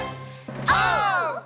オー！